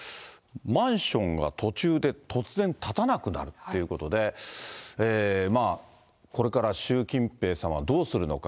マンションが途中で突然建たなくなるということで、まあ、これから習近平さんはどうするのか。